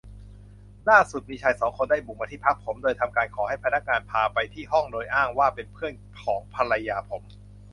ล่าสุดมีชายสองคนได้บุกมาที่พักผม ทำการขอให้พนักงานพาไปที่ห้องโดยอ้างว่าเป็นเพื่อนของภรรยาผม